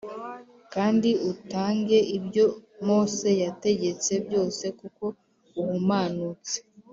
kandi utange ibyo Mose yategetse byose kuko uhumanutse